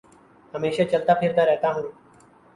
ہمیشہ چلتا پھرتا رہتا ہوں